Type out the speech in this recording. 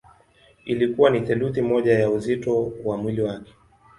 Ilikuwa ni theluthi moja ya uzito wa mwili wake.